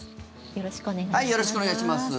よろしくお願いします。